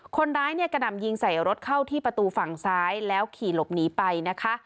คนร้ายเนี่ยกระหน่ำยิงใส่รถเข้าที่ประตูฝั่งซ้ายแล้วขี่หลบหนีไปนะคะ